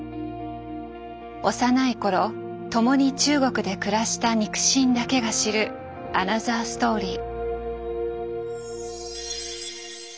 幼い頃共に中国で暮らした肉親だけが知るアナザーストーリー。